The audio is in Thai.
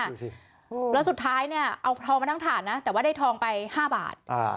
ดูสิแล้วสุดท้ายเนี่ยเอาทองมาทั้งถ่านนะแต่ว่าได้ทองไป๕บาท